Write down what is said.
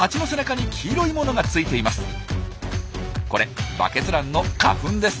これバケツランの花粉です。